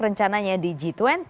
rencananya di g dua puluh